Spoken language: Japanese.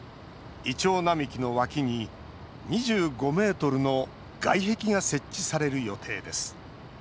イチョウ並木の脇に、２５ｍの外壁が設置される予定です。